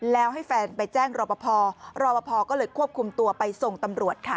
แล้วให้แฟนไปแจ้งรอปภรอปภก็เลยควบคุมตัวไปส่งตำรวจค่ะ